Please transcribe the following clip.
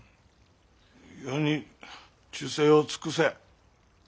余に忠誠を尽くせ。